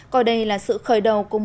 còn đây là sự khởi động của tập đoàn huawei